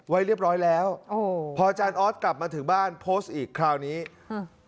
ไว้เรียบร้อยแล้วโอ้พออาจารย์ออสกลับมาถึงบ้านโพสต์อีกคราวนี้ฮะ